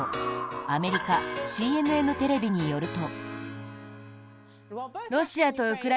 アメリカＣＮＮテレビによると。